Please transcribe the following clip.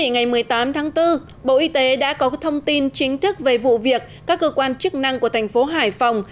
ngày một mươi tám tháng bốn bộ y tế đã có thông tin chính thức về vụ việc các cơ quan chức năng của tp hcm